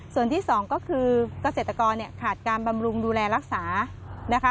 ส่วนที่สองก็คือเกษตรกรเนี่ยขาดการบำรุงดูแลรักษานะคะ